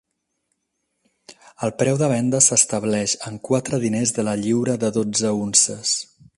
El preu de venda s'estableix en quatre diners de la lliura de dotze unces.